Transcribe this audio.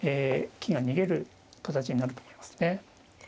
金が逃げる形になると思いますね。